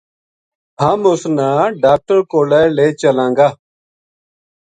ہم اس نا ڈاکٹر کولے لے چلاں گا“